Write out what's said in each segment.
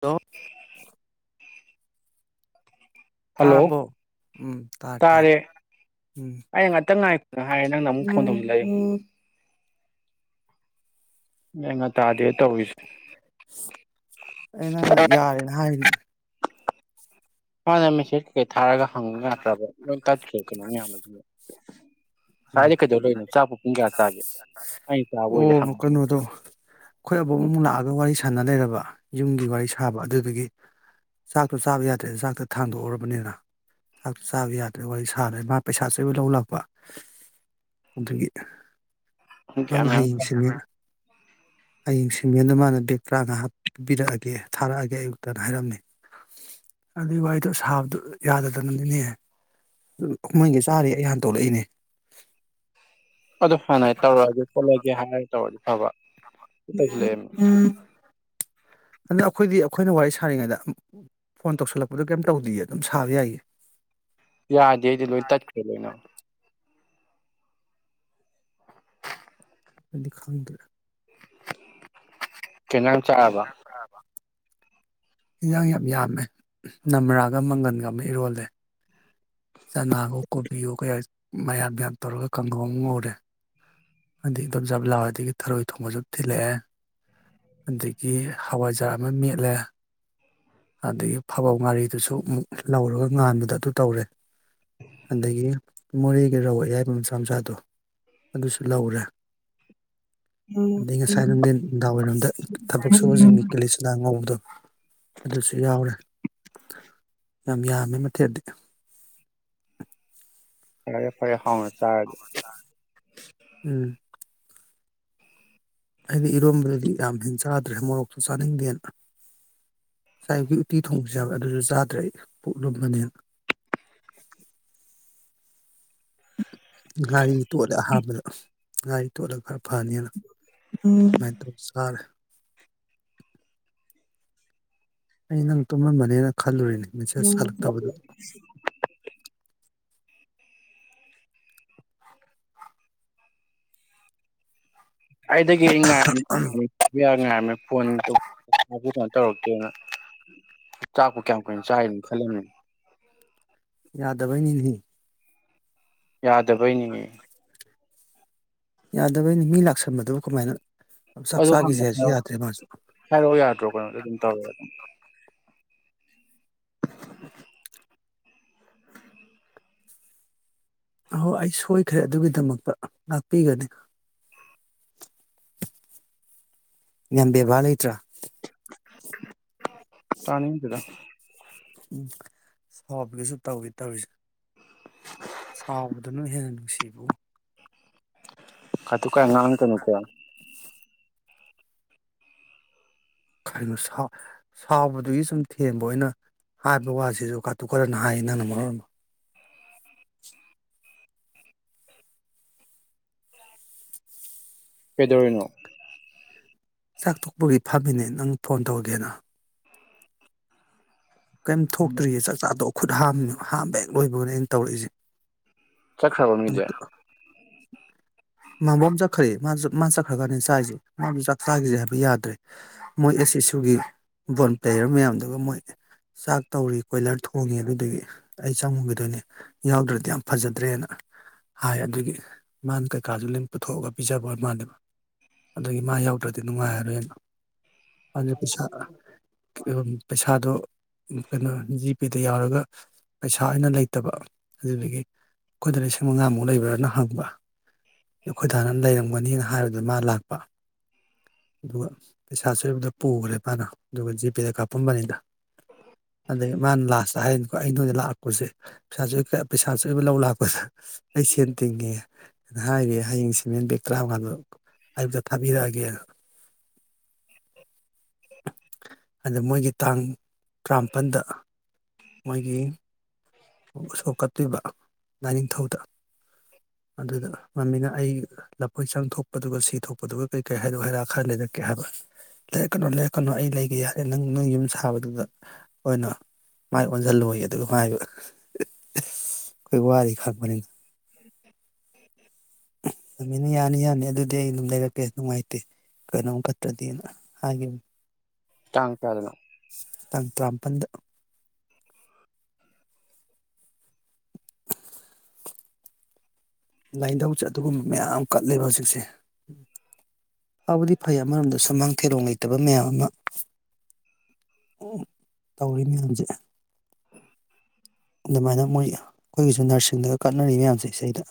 ꯂꯣ [inaudible] hello ꯇꯥꯔꯕꯣ ꯎꯝ ꯇꯥꯔꯦ ꯇꯥꯔꯦ ꯎꯝ ꯅ ꯍꯥꯏ ꯅꯪꯅ ꯑꯃꯨꯛ ꯐꯣꯟ ꯇꯧꯖꯤꯟ ꯂꯛꯏ ꯅꯪꯅ ꯇꯥꯗꯦ ꯇꯧꯔꯤꯁꯦ ꯑ ꯅꯪꯅ ꯌꯥꯔꯦꯅ ꯍꯥꯏꯔꯤꯅꯦ ꯃꯥꯅ ꯃꯦꯁꯦꯁ ꯀꯩꯀꯩ ꯊꯥꯔꯒ ꯐꯪ ꯌꯥꯗ꯭ꯔꯕ ꯅꯣꯏ ꯇꯠꯈꯔꯦ ꯀꯩꯅꯣ ꯃꯌꯥꯝ ꯑꯗꯨꯒ ꯄꯨꯡ ꯀꯌꯥ ꯆꯥꯒꯦ ꯑꯩꯅ ꯆꯥꯕ ꯑꯣꯏꯗꯤ ꯑꯣ ꯍꯪꯉꯅꯤ ꯀꯩꯅꯣꯗꯣ ꯑꯩꯈꯣꯏ ꯑꯕꯣꯛ ꯑꯃꯨꯛ ꯂꯥꯛꯑꯒ ꯋꯥꯔꯤ ꯁ ꯁꯥꯅ ꯂꯩꯔꯕ ꯌꯨꯝꯒꯤ ꯋꯥꯔꯤ ꯁꯥꯕ ꯑꯗꯨꯗꯨꯒꯤ ꯆꯥꯛꯇꯣ ꯆꯥꯕ ꯌꯥꯗ꯭ꯔꯦ ꯗ ꯆꯥꯛꯇ ꯊꯥꯡꯗꯣꯛꯎꯔꯕꯅꯤꯅ ꯆꯥꯛꯇꯣ ꯆꯥꯕ ꯌꯥꯗ꯭ꯔꯦ ꯋꯥꯔꯤ ꯁꯥꯔꯦ ꯃꯥ ꯄꯩꯁꯥꯆꯣꯏꯕ ꯂꯧ ꯂꯥꯛꯄ ꯑꯗꯨꯒꯤ ꯄꯨꯡ ꯀꯌꯥ ꯃꯥꯅ ꯃꯌꯥꯝ ꯍꯌꯦꯡꯁꯤꯅ ꯍꯌꯦꯡꯁꯤꯡꯒꯦꯅ ꯃꯥꯅ ꯕꯦꯒ ꯇꯔꯥꯉꯋꯥ ꯍꯥꯞꯄꯤꯔꯛꯑꯒꯦ ꯊꯥꯔꯛꯑꯒꯦ ꯑꯌꯨꯛꯇꯅ ꯍꯥꯏꯔꯝꯃꯦ ꯑꯗꯨꯏ ꯋꯥꯔꯤꯗꯣ ꯁꯥꯕꯗꯨ ꯌꯥꯗꯗꯅꯤꯅꯦ ꯑꯗꯨ ꯃꯣꯏꯗꯨ ꯆꯥꯔꯤ ꯑꯩ ꯍꯥꯟ ꯇꯧꯔꯛꯏꯅꯦ ꯑꯗꯨ ꯐꯥꯅ ꯇꯧꯔꯒꯦ ꯉꯣꯠꯂꯒꯦ ꯍꯥꯏꯔ ꯇꯧꯔꯗꯤ ꯇꯥꯕ꯭ꯔꯣ ꯑꯗꯨꯗ ꯑꯩꯈꯣꯏꯗꯤ ꯑꯩꯈꯣꯏꯅ ꯋꯥꯔꯤ ꯁꯥꯔꯤꯉꯩꯗ ꯐꯣꯟ ꯇꯧꯁꯤꯜꯂꯛꯄꯗꯣ ꯀꯩꯝ ꯇꯧꯗ ꯑꯗꯨꯝ ꯁꯥꯕ ꯌꯥꯏꯌꯦ ꯌꯥꯗꯦ ꯑꯩꯗꯤ ꯂꯣꯏ ꯇꯠꯈ꯭ꯔꯦ ꯂꯣꯏꯅ ꯗꯤꯈꯡꯗꯦ ꯀꯩ ꯏꯟꯖꯥꯡ ꯆꯥꯔꯕ ꯏꯟꯖꯥꯡ ꯌꯥꯝ ꯌꯥꯝꯃꯦ ꯅꯝ꯭ꯔꯥꯒ ꯃꯪꯒꯟꯒ ꯑꯃ ꯏꯔꯣꯜꯂꯦ ꯃꯌꯥ ꯃꯌꯥꯟ ꯇꯧꯔꯒ ꯀꯪꯍꯧ ꯑꯃ ꯉꯧꯔꯦ ꯑꯗꯩ ꯑꯟꯗꯣꯝꯆꯥ ꯕꯂꯥꯍꯣꯏꯗꯒꯤ ꯊꯔꯣꯏ ꯊꯣꯡꯕ ꯆꯨꯞ ꯊꯤꯜꯂꯛꯑꯦ ꯑꯗꯒꯤ ꯍꯋꯥꯏꯖꯥꯔ ꯑꯃ ꯃꯦꯠꯂꯦ ꯑꯗꯒꯤ ꯐꯕ ꯉꯥꯔꯤꯗꯨꯁꯨ ꯑꯃꯨꯛ ꯂꯧꯔꯒ ꯉꯥꯟꯕꯗ ꯑꯗꯨ ꯇꯧꯔꯦ ꯑꯗꯒꯤ ꯃꯣꯔꯦꯒꯤ ꯔꯧ ꯑꯌꯥꯏꯕ ꯃꯆꯥ ꯃꯆꯥꯗꯣ ꯑꯗꯨꯁꯨ ꯂꯧꯔꯦ ꯑꯗꯩ ꯉꯁꯥꯏ ꯅꯨꯡꯗꯤꯟ ꯅꯨꯡꯗꯥꯡꯏꯔꯝꯗ ꯊꯕꯛ ꯁꯨꯕꯁꯤꯡꯒꯤ ꯀꯤꯂꯤꯁꯅꯥ ꯉꯧꯕꯗꯣ ꯑꯗꯨꯁꯨ ꯌꯥꯎꯔꯦ ꯌꯥꯝ ꯌꯥꯝꯃꯦ ꯃꯊꯦꯜꯗꯤ ꯐꯔ ꯐꯔꯦ ꯍꯥꯎꯅ ꯆꯔꯗꯤ ꯎꯝ ꯑꯗꯤ ꯏꯔꯣꯝꯕꯗꯗꯤ ꯌꯥꯝ ꯍꯦꯅ ꯆꯥꯗ꯭ꯔꯦ ꯃꯣꯔꯣꯛꯁꯨ ꯆꯥꯅꯤꯡꯗꯦꯅ ꯉꯁꯥꯏ ꯑꯌꯨꯛꯀꯤ ꯎꯇꯤ ꯊꯣꯡꯕꯁꯨ ꯌꯥꯎꯋ ꯑꯗꯨꯁꯨ ꯆꯥꯗ꯭ꯔꯦ ꯑꯩ ꯄꯨꯛ ꯂꯣꯝꯃ ꯅꯦꯅ ꯉꯥꯔꯤ ꯇꯣꯠꯂꯦ ꯑꯍꯥꯟꯕꯗ ꯉꯥꯔꯤ ꯇꯣꯠꯂꯒ ꯈꯔ ꯐꯅꯤꯅ ꯃ ꯇ ꯁꯔ [unintelligible] ꯑꯩ ꯅꯪ ꯇꯨꯝꯃꯝꯕꯅꯦꯅ ꯈꯜꯂꯨꯔꯤꯅꯦ ꯃꯦꯁꯦꯖ ꯎꯝ ꯍꯜꯂꯛꯇꯕꯗꯨ [inaudible] ꯑꯩꯗꯒꯤ ꯉꯥꯏꯔꯝ ꯉꯥꯏꯔꯝꯃꯦ ꯐꯣꯟ ꯀꯩꯅꯣ ꯇꯧꯔꯒꯦ ꯀꯩꯅꯣ ꯆꯥꯛꯄꯨ ꯀꯌꯥꯝ ꯀꯨꯏꯅ ꯆꯥꯏꯅꯣ ꯈꯜꯂꯝꯃꯤꯅꯦ ꯌꯥꯗꯕꯩꯅꯤꯍꯦ ꯌꯥꯗꯕꯩꯅꯤꯅꯦ ꯌꯥꯗꯕꯩꯅꯤ ꯃꯤ ꯂꯥꯛꯁꯟꯕꯗꯕꯨ ꯀꯃꯥꯏꯅ ꯆꯥꯛ ꯑꯗꯨ ꯆꯥꯈꯤꯁꯦ ꯍꯥꯏꯁꯨ ꯍꯪꯉꯔꯑꯣ ꯌꯥꯗ꯭ꯔꯦ ꯃꯥꯁꯨ ꯍꯥꯏꯔꯛꯑꯣ ꯌꯥꯗ꯭ꯔꯣ ꯀꯩꯅꯣꯗ ꯑꯗꯨꯝ ꯇꯧꯔ ꯑꯗꯨꯝ [inaudible] ꯑꯍꯣꯏ ꯑꯩ ꯁꯣꯏꯈ꯭ꯔꯦ ꯑꯗꯨꯒꯤꯗꯃꯛꯇ ꯉꯥꯛꯄꯤꯒꯅꯤ ꯌꯥꯝ ꯕꯦꯕꯥꯔ ꯂꯩꯇ꯭ꯔꯥ ꯇꯥꯅꯤꯡꯗꯦꯗ ꯎꯝ ꯁꯕꯒꯩꯁꯨ ꯇꯧꯒꯦ ꯇꯧꯔꯤꯅꯦ ꯁꯥꯎꯕꯗꯨꯅ ꯍꯦꯟꯅ ꯅꯨꯡꯁꯤ ꯏꯕꯨꯡꯉꯣ ꯀꯥꯇꯨ ꯀꯥꯔꯟ ꯉꯥꯡꯉꯛ ꯀꯅꯨꯀꯣ ꯀꯩꯅꯣ ꯁꯥꯎꯕꯗꯨꯒꯤ ꯁꯨꯝ ꯊꯦꯝꯕ ꯑꯣꯏꯅ ꯍꯥꯏꯕ ꯋꯥꯁꯤꯁꯨ ꯀꯥꯇꯨ ꯀꯔ ꯍꯥꯏꯌꯦ ꯅꯪꯅ ꯃꯔꯣꯟꯃ ꯀꯩꯗꯧꯔꯤꯅꯣ ꯆꯥꯛ ꯊꯣꯛꯄꯒꯤ ꯐꯝꯃꯤꯅꯦ ꯅꯪ ꯐꯣꯟ ꯇꯧꯒꯦꯅ ꯀꯩꯝ ꯊꯣꯛꯇ꯭ꯔꯤꯌꯦ ꯆꯥꯛꯆꯥꯗꯣ ꯈꯨꯠ ꯍꯥꯝꯃꯤꯅꯦ ꯍꯥꯝꯕ ꯍꯦꯛ ꯂꯣꯏꯕꯒꯅꯦ ꯑꯩꯅ ꯇꯧꯔꯛꯏꯁꯦ ꯆꯥꯛꯈ꯭ꯔꯥꯕ ꯃꯤꯗꯤ ꯃꯕꯣꯝ ꯆꯠꯈ꯭ꯔꯦ ꯃꯥ ꯆꯨ ꯆꯠꯈ꯭ꯔꯒꯅꯦ ꯆꯥꯔꯤꯁꯦ ꯃꯥꯁꯨ ꯆꯥꯛ ꯆꯥꯈꯤꯁꯦ ꯍꯥꯏꯕ ꯌꯥꯗ꯭ꯔꯦ ꯃꯣꯏ ꯑꯦꯁ ꯑꯦꯁꯨꯒꯤ ꯕꯣꯜ ꯄ꯭꯭ꯂꯦꯌꯔ ꯃꯌꯥꯝꯗꯨꯒ ꯃꯣꯏ ꯆꯥꯛ ꯇꯧꯔꯤ ꯀꯣꯏꯂꯔ ꯊꯣꯡꯉꯤ ꯑꯗꯨꯢꯗꯨꯒꯤ ꯑꯩ ꯆꯪꯉꯨꯒꯤꯗꯣꯏꯅꯦ ꯌꯥꯎꯗ꯭ꯔꯗꯤ ꯌꯥꯝ ꯐꯖꯗ꯭ꯔꯦꯅ ꯍꯥꯏ ꯑꯗꯨꯒꯤ ꯃꯥꯅ ꯀꯩꯀꯥꯁꯨ ꯂꯣꯏ ꯄꯨꯊꯣꯛꯑꯒ ꯄꯤꯖꯕ ꯃꯥꯅꯦꯕ ꯑꯗꯨꯒꯤ ꯃꯥ ꯌꯥꯎꯗ꯭ꯔꯗꯤ ꯅꯨꯡꯉꯥꯏꯔꯔꯣꯏꯅ ꯑꯗꯨꯅ ꯄꯩꯁꯥ ꯄꯩꯁꯥꯗꯣ ꯀꯩꯅꯣ ꯖꯤꯄꯦꯗ ꯌꯥꯎꯔꯒ ꯄꯩꯁꯥ ꯑꯣꯏꯅ ꯂꯩꯇꯕ ꯑꯗꯨꯗꯒꯤ ꯑꯩꯈꯣꯏꯗ ꯂꯤꯁꯤꯡ ꯃꯉꯥꯃꯨꯛ ꯂꯩꯕ꯭ꯔꯥꯅ ꯍꯪꯕ ꯏꯃꯥ ꯑꯩꯈꯣꯏ ꯗꯥꯅ ꯂꯩꯔꯝꯒꯅꯤꯅ ꯍꯥꯏꯕꯗ ꯃꯥ ꯂꯥꯛꯄ ꯑꯗꯨꯒ ꯄꯩꯁꯥ ꯑꯆꯣꯏꯕꯗꯣ ꯄꯨꯈ꯭ꯔꯦ ꯃꯥꯅ ꯑꯗꯨꯒ ꯖꯤꯄꯦ ꯀꯥꯞꯄꯝꯕꯅꯤꯗ ꯑꯗꯒꯤ ꯃꯥꯅ ꯂꯥꯁꯇ ꯍꯥꯏꯔꯤꯅꯤꯀꯣ ꯑꯩ ꯅꯣꯢꯗ ꯂꯥꯛꯄꯁꯦ ꯄꯩꯁꯥꯁꯨ ꯄꯩꯁꯥꯆꯣꯏꯕ ꯂꯧ ꯂꯥꯛꯄꯁꯦ ꯑꯩ ꯁꯦꯟ ꯇꯤꯡꯉꯦ ꯅ ꯍꯥꯏꯔꯤ ꯍꯌꯦꯡ ꯁꯤꯃꯦꯟ ꯕꯦꯒ ꯇꯔꯥꯃꯉꯥꯃꯨꯛ ꯑꯌꯨꯛꯇ ꯊꯥꯕꯤꯔꯛꯑꯒꯦ ꯅ ꯑꯗ ꯃꯣꯏꯒꯤ ꯇꯥꯡ ꯇꯔꯥꯝꯄꯜꯗ ꯃꯣꯏꯒꯤ ꯎꯁꯣꯞ ꯀꯠꯄꯩꯕ ꯂꯥꯏꯅꯤꯡꯊꯧꯗ ꯑꯗꯨꯗ ꯃꯃꯤꯅ ꯑꯩ ꯂꯐꯣꯏ ꯆꯪ ꯊꯣꯛꯄꯗꯨꯒ ꯁꯤ ꯊꯣꯛꯄꯗꯨꯒ ꯀꯔꯤ ꯀꯩ ꯍꯥꯏꯔꯨꯛ ꯍꯩꯔꯥꯛ ꯈꯔ ꯂꯩꯔꯛꯀꯦ ꯍꯥꯏꯕ ꯂꯩꯔꯛꯀꯅꯨ ꯂꯩꯔꯛꯀꯅꯨ ꯑꯩ ꯂꯩꯒꯦ ꯍꯥꯢꯌꯦ ꯅꯪ ꯅꯣꯢ ꯌꯨꯝ ꯁꯥꯕꯗꯨꯗ ꯑꯣꯏꯅ ꯃꯥꯏ ꯑꯣꯟꯁꯤꯜꯂꯣꯏꯌꯦ ꯑꯗꯨꯒ ꯃꯥ ꯍꯥꯏꯕ ꯀꯣꯏ ꯋꯥꯔꯤ ꯈꯪꯕꯅꯤ [inaudible] ꯃꯃꯤꯅ ꯌꯥꯅꯤ ꯌꯥꯅꯤ ꯑꯗꯨꯗꯤ ꯑꯩ ꯑꯗꯨꯝ ꯂꯩꯔꯛꯀꯦ ꯅꯨꯡꯉꯥꯏꯇꯦ ꯀꯩꯅꯣꯝ ꯀꯠꯇ꯭ꯔꯗꯤꯅ ꯍꯥꯏꯒꯤꯕꯅꯦ ꯇꯥꯡ ꯀꯌꯥꯗꯅꯣ ꯇꯥꯡ ꯇꯔꯥꯝꯄꯜꯗ ꯂꯥꯏꯅꯤꯊꯨ ꯑꯗꯨꯒꯨꯝꯕ ꯃꯌꯥꯝ ꯀꯠꯂꯦꯕ ꯍꯧꯖꯤꯛꯁꯦ ꯐꯕꯨꯗꯤ ꯐꯩ ꯑꯃꯔꯣꯝꯗ ꯁꯨꯃꯥꯡ ꯊꯦꯂꯣꯡ ꯂꯩꯇꯕ ꯃꯌꯥꯝ ꯑꯃ ꯇꯧꯔꯤ ꯃꯌꯥꯝꯁꯦ ꯑꯗꯨꯃꯥꯏꯅ ꯃꯣꯏ ꯑꯩꯈꯣꯏꯒꯤꯁꯨ ꯅꯔꯁꯤꯡꯗꯒ ꯀꯠꯅꯔꯤ ꯃꯌꯥꯝꯁꯦ ꯑꯁꯩꯗ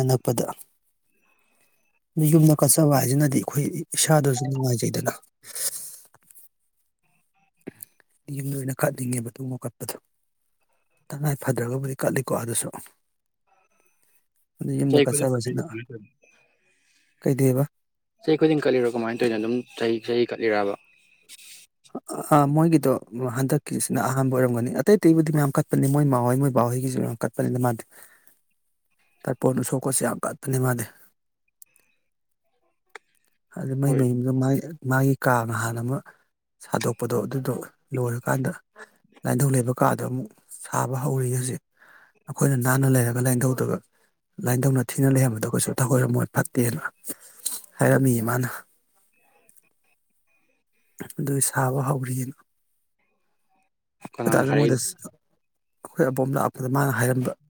ꯏ ꯅꯛꯄꯗ ꯃꯤ ꯌꯨꯝꯗ ꯀꯠꯆꯕ ꯍꯥꯏꯁꯤꯅꯗꯤ ꯑꯩꯈꯣꯏ ꯏꯁꯥꯗꯁꯨ ꯅꯨꯡꯉꯥꯏꯖꯩꯗꯅ ꯌꯨꯝ ꯂꯣꯝꯗ ꯀꯠꯅꯤꯡꯉꯦꯕ ꯑꯗꯨꯒꯨꯝꯕ ꯀꯠꯄꯗꯣ ꯇꯉꯥꯏ ꯐꯗ꯭ꯔꯒꯕꯨꯗꯤ ꯀꯠꯂꯤꯀꯣ ꯑꯗꯁꯨ ꯌꯨꯝꯗ ꯆꯍꯤ ꯈꯨꯗꯤꯡ ꯀꯠꯂꯤꯔꯣ ꯀꯠꯆꯕꯁꯤꯅ ꯀꯃꯥꯏꯅ ꯇꯧꯔꯤꯅꯣ ꯀꯩꯗꯧꯌꯦꯕ ꯆꯍꯤ ꯈꯨꯗꯤꯡ ꯀꯠꯂꯤꯔꯣ ꯀꯃꯥꯏꯅ ꯇꯧꯔꯤꯅꯣ ꯑꯗꯨꯝ ꯆꯍꯤ ꯆꯍꯤ ꯀꯠꯂꯤꯔꯕ ꯑ ꯑꯥꯥ ꯃꯣꯏꯒꯤꯗꯣ ꯍꯟꯗꯛꯀꯤꯁꯤꯅ ꯑꯍꯥꯟꯕ ꯑꯣꯏꯔꯝꯒꯅꯤ ꯑꯇꯩ ꯑꯇꯩꯕꯨꯗꯤ ꯃꯌꯥꯝ ꯀꯠꯄꯅꯤ ꯃꯣꯏ ꯃꯥꯍꯩ ꯃꯣꯏ ꯕꯥꯍꯣꯢꯒꯤꯁꯨ ꯃꯌꯥꯝ ꯀꯠꯄꯅꯤꯅ ꯃꯥꯗꯤ ꯇꯔꯄꯣꯟ ꯎꯁꯣꯞꯀꯁꯨ ꯌꯥꯝ ꯀꯠꯄꯅꯤ ꯃꯥꯗꯤ ꯑꯗꯨ ꯃꯩ ꯍꯣꯏ ꯃꯌꯨꯝꯗꯣ ꯃꯥꯒꯤ ꯃꯥꯒꯤ ꯀꯥꯒ ꯍꯥꯟꯅ ꯑꯃ ꯁꯥꯗꯣꯛꯄꯗꯣ ꯑꯗꯨꯗꯣ ꯂꯣꯏꯔꯀꯥꯟꯗ ꯂꯥꯏꯟꯙꯧ ꯂꯩꯕ ꯀꯥꯗꯣ ꯑꯃꯨꯛ ꯁꯥꯕ ꯍꯧꯔꯤꯌꯦ ꯍꯨꯖꯤꯛ ꯑꯩꯈꯣꯏꯅ ꯅꯥꯟꯅ ꯂꯩꯔꯒ ꯂꯥꯏꯟꯙꯧꯗꯣ ꯂꯥꯏꯟꯙꯧꯅ ꯊꯤꯅ ꯂꯩꯔꯝꯕꯗꯣ ꯀꯩꯁꯨ ꯊꯑꯣꯏꯔꯝꯃꯣꯏ ꯐꯠꯇꯦꯅ ꯍꯥꯏꯔꯝꯃꯤ ꯃꯥꯅ ꯑꯗꯨ ꯁꯥꯕ ꯍꯧꯔꯤ ꯑꯦ ꯑꯩꯈꯣꯏ ꯀꯅꯥꯅ ꯗꯁꯨ ꯃꯣꯏꯗ ꯍꯥꯏꯔꯛꯏꯅꯣ ꯑꯩꯈꯣꯏ ꯑꯕꯣꯝ ꯂꯥꯛꯄꯗ ꯃꯥꯅ ꯍꯥꯏꯔꯝꯕ [inaudible]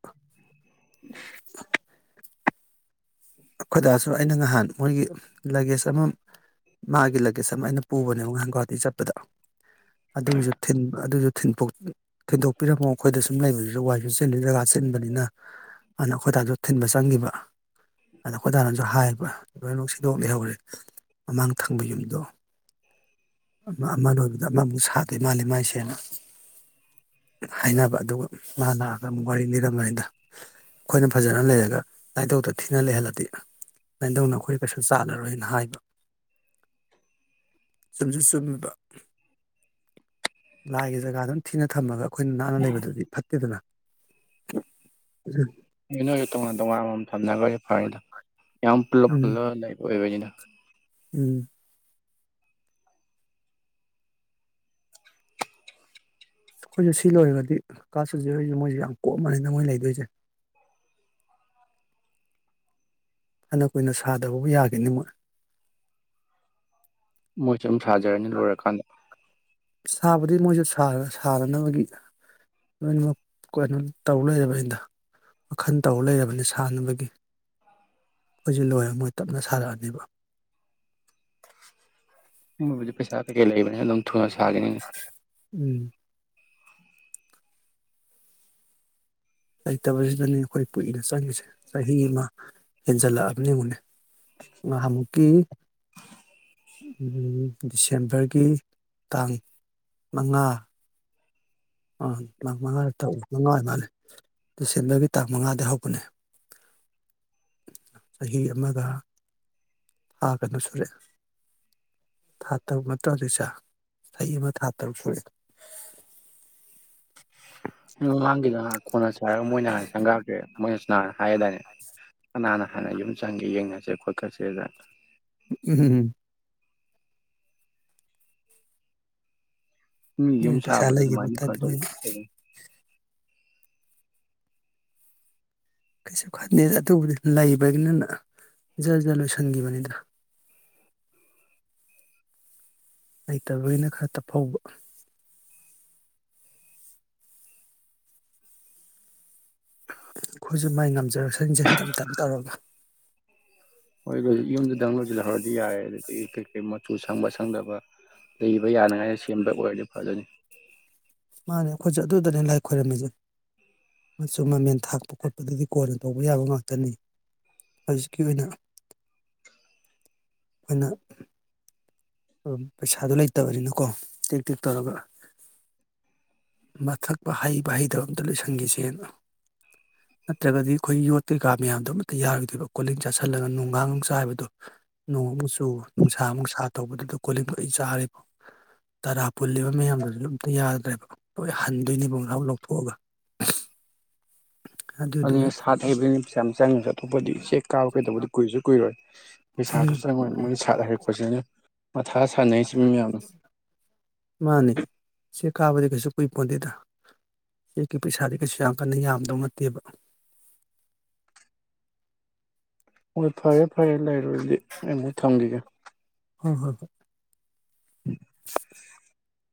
ꯑꯩꯈꯣꯏꯗꯥꯁꯨ ꯑꯩꯅ ꯉꯍꯥꯟ ꯃꯣꯏꯒꯤ ꯂꯒꯦꯖ ꯑꯃ ꯃꯥꯒꯤ ꯂꯒꯦꯖ ꯑꯃ ꯑꯩꯅ ꯄꯨꯕꯅꯦꯕ ꯉꯍꯥꯟ ꯒꯨꯍꯥꯇꯤ ꯆꯠꯄꯗ ꯑꯗꯨꯁꯨ ꯊꯤꯟꯕ ꯑꯗꯨꯁꯨ ꯊꯤꯟꯗꯣꯛ ꯊꯤꯟꯗꯣꯛꯄꯤꯔꯝꯃꯣ ꯑꯩꯈꯣꯏꯗ ꯁꯨꯝ ꯂꯩꯕꯁꯤꯁꯨ ꯋꯥꯏꯁꯨ ꯆꯦꯜꯂꯤ ꯖꯒꯥ ꯆꯤꯟꯕꯅꯤꯅ ꯑꯗꯨꯅ ꯑꯩꯈꯣꯏꯗꯥꯁꯨ ꯊꯤꯟꯕ ꯆꯪꯈꯤꯕ ꯑꯗ ꯑꯩꯈꯣꯏꯗꯥꯅꯁꯨ ꯍꯥꯏꯌꯦꯕ ꯂꯣꯏꯅꯃꯛ ꯁꯤꯗꯣꯛ ꯂꯩꯍꯧꯔꯦ ꯃꯃꯥꯡ ꯊꯪꯕ ꯌꯨꯝꯗꯣ ꯑꯃ ꯂꯣꯏꯕꯗ ꯑꯃꯃꯨꯛ ꯁꯥꯗꯦ ꯃꯥꯜꯂꯤ ꯃꯥꯏꯁꯦꯅ ꯍꯥꯏꯅꯕ ꯑꯗꯨꯒ ꯃꯥ ꯂꯥꯛꯑꯒ ꯑꯃꯨꯛ ꯋꯥꯔꯤ ꯂꯤꯅꯤꯔꯝꯝꯕꯅꯤꯗ ꯑꯩꯈꯣꯏꯅ ꯐꯖꯅ ꯂꯩꯔꯒ ꯂꯥꯏꯅꯤꯡꯙꯧꯗ ꯊꯤꯅ ꯂꯩꯍꯜꯂꯗꯤ ꯂꯥꯏꯙꯧꯅ ꯑꯩꯈꯣꯏ ꯀꯩꯁꯨ ꯆꯥꯜꯂꯔꯣꯏꯅ ꯍꯥꯏꯕ ꯆꯨꯝꯁꯨ ꯆꯨꯝꯃꯤꯕ ꯂꯥꯏꯒꯤ ꯖꯒꯥ ꯑꯗꯨꯝ ꯊꯤꯅ ꯊꯝꯃꯒ ꯑꯩꯈꯣꯏꯅ ꯅꯥꯟꯅ ꯂꯩꯕꯗꯨꯗꯤ ꯐꯠꯇꯦꯗꯅ ꯅꯣꯏ ꯅꯣꯏ ꯇꯣꯉꯥꯟ ꯇꯣꯉꯥꯟꯕꯝ ꯊꯞꯅꯒꯔꯒꯤ ꯐꯥꯔꯦꯗ ꯌꯥꯝ ꯄꯨꯜꯂ ꯎꯝ ꯄꯨꯜꯂꯞ ꯂꯩꯕ ꯂꯩꯕꯅꯤꯅ ꯎꯝ ꯑꯩꯈꯣꯏꯁꯨ ꯁꯤ ꯂꯣꯏꯔꯒꯗꯤ ꯀꯥ ꯁꯟꯖꯤꯠ ꯍꯣꯏꯁꯨ ꯃꯣꯏꯁꯨ ꯌꯥꯝ ꯀꯣꯝꯃꯅꯤꯅ ꯃꯣꯏ ꯂꯩꯗꯣꯏꯁꯦ ꯐꯅ ꯀꯨꯏꯅ ꯁꯥꯗꯕꯕꯨ ꯌꯥꯒꯤꯅꯤ ꯃꯣꯏ ꯃꯣꯏ ꯌꯨꯝ ꯁꯥꯖꯔꯅꯤ ꯂꯣꯏꯔꯀꯥꯟꯗ ꯁꯥꯕꯨꯗꯤ ꯃꯣꯏꯁꯨ ꯁꯥꯔ ꯁꯥꯔꯅꯕꯒꯤ ꯂꯣꯏꯅꯃꯛ ꯀꯩꯅꯣ ꯇꯧꯔ ꯂꯩꯔꯕꯅꯤꯗ ꯋꯥꯈꯜ ꯇꯧ ꯂꯩꯔꯕꯅꯤ ꯁꯥꯅꯕꯒꯤ ꯑꯩꯈꯣꯏꯁꯦ ꯂꯣꯏꯔ ꯃꯣꯏ ꯇꯞꯅ ꯁꯥꯔꯛꯑꯅꯤꯕ ꯃꯣꯏꯕꯨꯗꯤ ꯄꯩꯁꯥ ꯀꯩ ꯀꯩ ꯂꯩꯕꯅꯤ ꯑꯗꯨꯝ ꯊꯨꯅ ꯁꯥꯥꯒꯤꯅꯤꯅꯦ [inaudible] ꯎꯝ ꯂꯩꯇꯕꯁꯤꯗꯅꯦ ꯑꯩꯈꯣꯏ ꯄꯨꯏꯅ ꯆꯪꯉꯤꯁꯦ ꯆꯍꯤ ꯑꯃ ꯍꯦꯟꯖꯁꯂꯛꯑꯕꯅꯤ ꯌꯦꯡꯉꯨꯅꯦ ꯅꯍꯥꯟꯃꯨꯛꯀꯤ ꯗꯤꯁꯦꯝꯕꯔꯒꯤ ꯇꯥꯡ ꯃꯉꯥ ꯑꯥ ꯃꯉꯥꯔꯛ ꯇꯧ ꯃꯉꯥ ꯑꯣꯏꯃꯥꯜꯂꯦ ꯗꯤꯁꯦꯝꯕꯔꯒꯤ ꯇꯥꯡ ꯃꯉꯥꯗ ꯍꯧꯕꯅꯦ ꯆꯍꯤ ꯑꯃꯒ ꯊꯥ ꯀꯩꯅꯣ ꯁꯨꯔꯦ ꯊꯥ ꯇꯔꯨꯛ ꯅꯠꯇ꯭ꯔ ꯍꯧꯖꯤꯛꯁꯦ ꯆꯍꯤ ꯑꯃ ꯊꯥ ꯇꯔꯨꯛ ꯁꯨꯔꯦ꯫ [unintelligible] [unintelligible] [unintelligible] ꯃꯣꯏꯅ ꯍꯥꯟꯅ ꯁꯪꯒꯥꯒ꯭ꯔꯦ ꯃꯣꯏ ꯅꯍꯥꯟ ꯍꯥꯏꯌꯦꯗꯥꯏꯅꯦ ꯀꯅꯅ ꯍꯥꯟꯅ ꯌꯨꯝ ꯌꯦꯡꯒꯦ ꯌꯦꯡꯉꯁꯦ [unintelligible] ꯎ ꯎꯝ ꯎꯝ ꯎ ꯌꯨꯝ ꯃꯣꯏ ꯄꯩꯁꯥ ꯁꯥꯕꯗ ꯂꯩꯈꯤꯕ ꯑꯗꯨꯃꯥꯏ ꯇꯥꯏꯞꯇ ꯈꯇꯧ ꯃꯣꯏꯅ ꯀꯩꯅꯣ ꯀꯩꯁꯨ ꯈꯪꯗꯦꯗ ꯑꯗꯨꯕꯨꯗꯤ ꯂꯩꯕꯒꯤꯅ ꯖꯔ ꯖꯔ ꯂꯣꯏꯁꯤꯟꯈꯤꯕꯅꯤꯗ ꯂꯩꯇꯕꯩꯅ ꯈꯔ ꯇꯞꯐꯧꯕ ꯑꯩꯈꯣꯏꯁꯨ ꯃꯥꯏ ꯉꯝ ꯖꯔꯁꯟꯁꯦ ꯇꯞ ꯇꯞ ꯇꯧꯔꯒ [inaudible] ꯍꯣꯏ ꯌꯨꯝꯗꯨꯗꯪ ꯂꯣꯏꯁꯤꯜꯍꯧꯔꯗꯤ ꯌꯥꯔꯦ ꯑꯗꯨꯗꯒꯤ ꯀꯩ ꯀꯩ ꯃꯆꯨ ꯁꯪꯕ ꯁꯪꯗꯕ ꯂꯩꯕ ꯌꯥꯅꯤꯡꯉꯥꯏ ꯁꯦꯝꯕ ꯑꯣꯏꯔꯗꯤ ꯐꯖꯅꯤ ꯃꯥꯅꯤ ꯑꯩꯈꯣꯏꯁꯨ ꯑꯗꯨꯗꯅꯦ ꯂꯥꯏ ꯈꯣꯏꯔꯝꯃꯤꯁꯦ ꯃꯆꯨ ꯃꯃꯦꯟ ꯊꯥꯛꯄ ꯈꯣꯠꯄꯗꯗꯤ ꯀꯣꯟꯅ ꯇꯧꯕ ꯌꯥꯕ ꯉꯥꯛꯇꯅꯤ ꯍꯧꯖꯤꯛꯀꯤ ꯑꯣꯏꯅ ꯑꯩꯈꯣꯏꯅ ꯎꯝ ꯄꯩꯁꯥꯗꯣ ꯂꯩꯇꯕꯅꯤꯅꯀꯣ ꯇꯦꯛ ꯇꯦꯛ ꯇꯧꯔꯒ ꯃꯊꯛ ꯍꯩꯕ ꯍꯩꯗꯕ ꯑꯝꯇ ꯂꯣꯏꯁꯟꯈꯤꯁꯦꯅ ꯅꯠꯇ꯭ꯔꯒꯗꯤ ꯑꯩꯈꯣꯏ ꯌꯣꯠ ꯀꯩꯀꯥ ꯃꯌꯥꯝꯗꯣ ꯑꯝꯇ ꯌꯥꯔꯣꯏꯗꯣꯏꯕ ꯀꯣꯂꯤꯡ ꯆꯥꯥꯁꯜꯂꯒ ꯅꯣꯡꯒꯥꯡ ꯃꯨꯛ ꯆꯥꯏꯕꯗꯣ ꯅꯣꯡ ꯑꯃꯨꯛ ꯆꯨ ꯅꯨꯡꯁꯥ ꯑꯃꯨꯛ ꯁꯥ ꯇꯧꯕꯗꯨꯗ ꯀꯣꯂꯤꯡꯒ ꯂꯣꯏ ꯆꯥꯔꯦ ꯇꯔꯥ ꯄꯨꯜꯂꯤꯕ ꯃꯌꯥꯝꯗꯨ ꯑꯝꯇ ꯌꯥꯗ꯭ꯔꯦꯕ ꯂꯣꯏ ꯍꯟꯗꯣꯏꯅꯦꯕ ꯂꯣꯏ ꯂꯧꯊꯣꯛꯑꯒ ꯑꯗꯨꯅ ꯑꯗꯨꯗꯨꯒꯤ ꯁꯥꯠ ꯍꯩꯕꯗꯅꯤ ꯄꯩꯁꯥ ꯌꯥꯝ ꯆꯪꯉꯤꯗꯨ ꯑꯇꯣꯞꯄꯗꯤ ꯆꯦꯛ ꯀꯥꯕ ꯀꯩꯗꯧꯕꯗꯤ ꯀꯨꯏꯁꯨ ꯀꯨꯏꯔꯣꯏ꯫ ꯄꯩꯁꯥꯁꯨ ꯎꯝ ꯆꯪꯉꯣꯏ ꯃꯣꯏ ꯁꯥꯠ ꯍꯩꯔꯛꯄꯁꯤꯅ ꯃꯊꯥ ꯁꯥꯟꯅꯩꯁꯤ ꯃꯤ ꯃꯌꯥꯝꯅ [unintelligible] ꯃꯥꯅꯤ ꯁꯤ ꯀꯥꯕꯗꯤ ꯀꯩꯁꯨ ꯀꯨꯏꯄꯣꯟꯗꯦꯗ ꯌꯣꯀꯤ ꯄꯩꯁꯥꯗꯤ ꯀꯩꯁꯨ ꯌꯥꯝ ꯀꯟꯅ ꯌꯥꯝꯗꯧ ꯅꯠꯇꯦꯕ ꯍꯣꯏ ꯐꯔꯦ ꯐꯔꯦ ꯂꯩꯔꯨꯔꯗꯤ ꯑꯩꯃꯨꯛ ꯊꯝꯒꯤꯒꯦ ꯍꯣꯏ ꯍꯣꯏ [inaudible]